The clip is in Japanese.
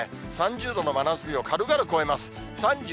３０度の真夏日をかるがる超えます。